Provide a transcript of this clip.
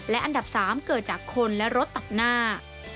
และอันดับ๓เกิดจากคนและรถตัดหน้า